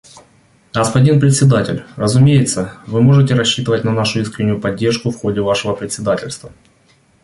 Господин Председатель, разумеется, вы можете рассчитывать на нашу искреннюю поддержку в ходе вашего председательства.